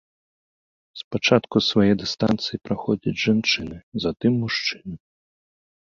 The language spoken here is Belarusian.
Спачатку свае дыстанцыі праходзяць жанчыны, затым мужчыны.